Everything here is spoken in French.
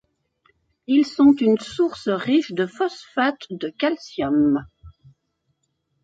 Ils sont une source riche de phosphate de calcium.